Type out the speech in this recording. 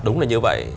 đúng là như vậy